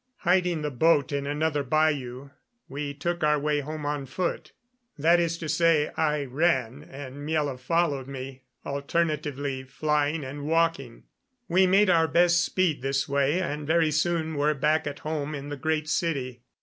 Hiding the boat in another bayou, we took our way home on foot. That is to say, I ran, and Miela followed me, alternately flying and walking. We made our best speed this way, and very soon were back at home in the Great City.